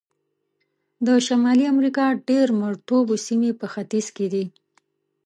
د شمالي امریکا ډېر مرطوبو سیمې په ختیځ کې دي.